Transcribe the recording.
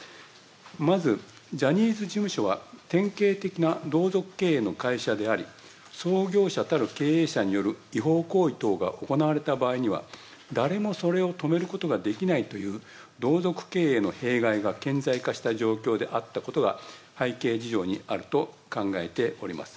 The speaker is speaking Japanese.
まず、ジャニーズ事務所は典型的な同族経営の会社であり、創業者たる経営者による違法行為等が行われた場合には、誰もそれを止めることができないという同族経営の弊害が顕在化した状況であったことが、背景事情にあると考えております。